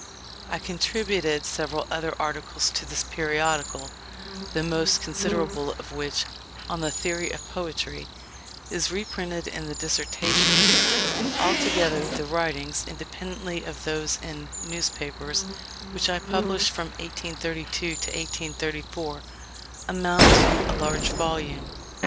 I contributed several other articles to this periodical, the most considerable of which (on the theory of Poetry), is reprinted in the "Dissertations." Altogether, the writings (independently of those in newspapers) which I published from 1832 to 1834, amount to a large volume.